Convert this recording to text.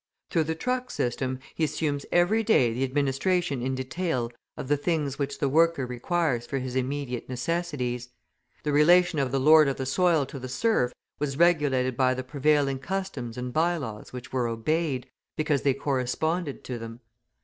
Through the truck system, he assumes every day the administration in detail of the things which the worker requires for his immediate necessities. The relation of the lord of the soil to the serf was regulated by the prevailing customs and by laws which were obeyed, because they corresponded to them.